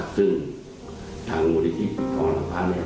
ซึ่งทางบุญฤทธิ์ปิดทองหลังภาพเนี่ย